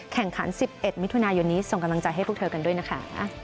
แข่งขันฟุตบอล๑๑มิถุนาส่งกำลังใจให้พวกเธอกันด้วยนะคะ